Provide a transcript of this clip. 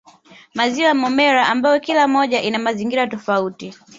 Maziwa ya Momella ambayo kila moja ina mazingira tofauti